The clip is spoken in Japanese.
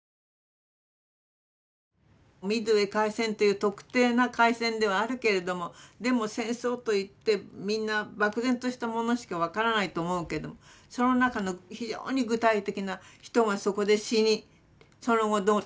ミッドウェー海戦という特定な海戦ではあるけれどもでも戦争といってみんな漠然としたものしか分からないと思うけどその中の非常に具体的な人がそこで死にその後どうなったかと。